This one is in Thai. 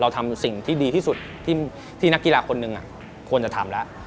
ทำสิ่งที่ดีที่สุดที่นักกีฬาคนหนึ่งควรจะทำแล้ว